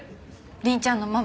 凛ちゃんのママ。